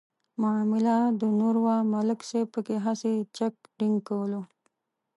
معامله د نور وه ملک صاحب پکې هسې چک ډینک کولو.